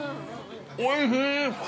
おいしい！